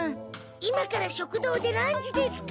今から食堂でランチですか？